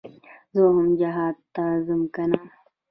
زه هم جهاد ته ځم كنه.